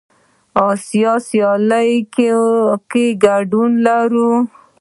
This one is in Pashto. آسیایي سیالیو کې ګډون لرو.